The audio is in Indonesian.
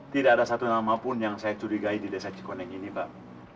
tidak ada satu nama pun yang saya curigai di desa cikoneng ini pak